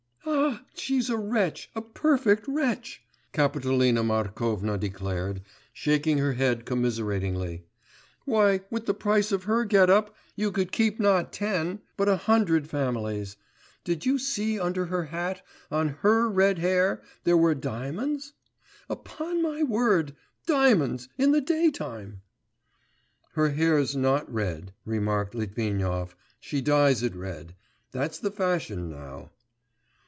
'Ah, she's a wretch, a perfect wretch!' Kapitolina Markovna declared, shaking her head commiseratingly; 'why, with the price of her get up, you could keep not ten, but a hundred families. Did you see under her hat, on her red hair, there were diamonds? Upon my word, diamonds in the day time!' 'Her hair's not red,' remarked Litvinov; 'she dyes it red that's the fashion now.